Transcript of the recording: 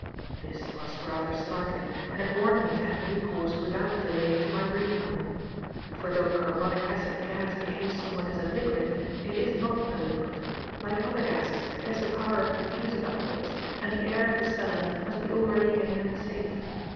This was rather startling, and it warned me to have recourse without delay to my breathing hole. For though carbonic acid gas behaves somewhat as a liquid, it is not a liquid: like other gases, it has the power of diffusing upwards, and the air of the cellar must be already getting unsafe.